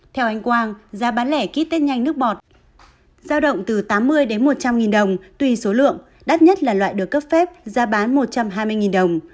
theo anh quang giá bán lẻ ký tết nhanh nước bọt giao động từ tám mươi đến một trăm linh đồng tùy số lượng đắt nhất là loại được cấp phép giá bán một trăm hai mươi đồng